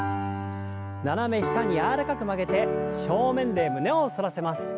斜め下に柔らかく曲げて正面で胸を反らせます。